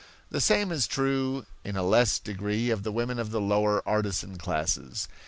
The same is true in a less degree of the women of the lower, artisan classes.